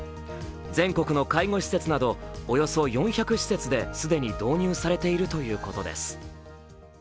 全国の介護施設などおよそ４００施設で既に導入されているということです。